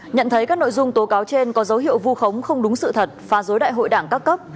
nhận thấy các nội dung tố cáo trên có dấu hiệu vu khống không đúng sự thật phá rối đại hội đảng các cấp